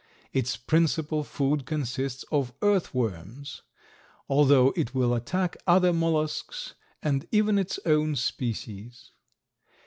Its principal food consists of earth worms, although it will attack other mollusks and even its own species.